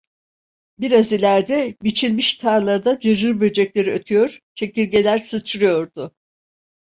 Biraz ilerde, biçilmiş tarlada cırcırböcekleri ötüyor, çekirgeler sıçrıyordu.